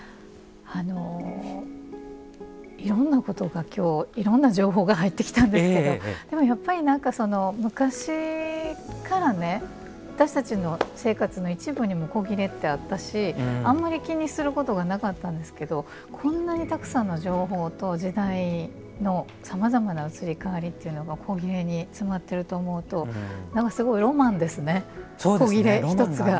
あのいろんなことが今日いろんな情報が入ってきたんですけどでもやっぱり何かその昔からね私たちの生活の一部にも古裂ってあったしあんまり気にすることがなかったんですけどこんなにたくさんの情報と時代のさまざまな移り変わりっていうのが古裂に詰まっていると思うと何かすごいロマンですね古裂一つが。